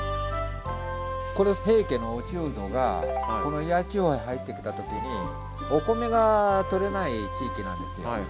これ平家の落人がこの祖谷地方へ入ってきた時にお米が採れない地域なんですよ。